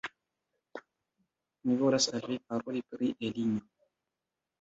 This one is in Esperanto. Mi volas al Vi paroli pri Elinjo!